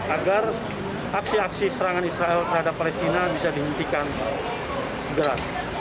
agar aksi aksi serangan israel terhadap palestina bisa dihentikan segera